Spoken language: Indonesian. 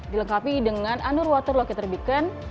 dilengkapi dengan anur water locker terbikin